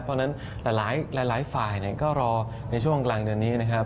เพราะฉะนั้นหลายฝ่ายก็รอในช่วงกลางเดือนนี้นะครับ